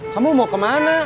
kamu mau kemana